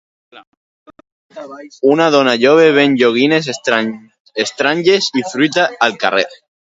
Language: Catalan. Una dona jove ven joguines estranyes i fruita al carrer.